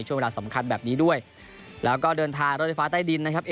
ช่วงเวลาสำคัญแบบนี้ด้วยแล้วก็เดินทางรถไฟฟ้าใต้ดินนะครับ